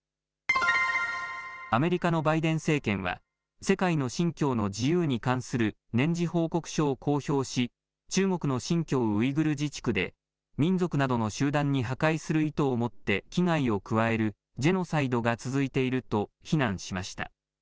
アメリカのバイデン政権は世界の信教の自由に関する年次報告書を公表し中国の新疆ウイグル自治区で民族などの集団に破壊する意図を持って危害を加えるジェノサイドが続いていると非難しました。